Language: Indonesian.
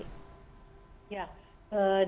ya di rumah sakit ini ya